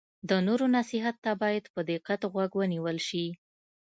د نورو نصیحت ته باید په دقت غوږ ونیول شي.